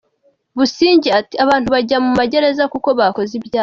Busingye ati “Abantu bajya mu magereza kuko bakoze ibyaha.